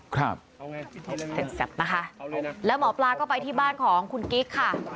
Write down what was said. ครับเสร็จแซ่บนะคะแล้วหมอปลาก็ไปที่บ้านของคุณกิ๊กค่ะ